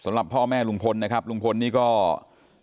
สำหรับพ่อแม่ลุงพลนะครับลุงพลนี่ก็กลั้นน้ำตาไม่อยู่ครับวันนี้